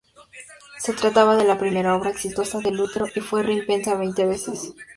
Se trataba de la primera obra exitosa de Lutero y fue reimpresa veinte veces.